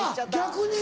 逆に？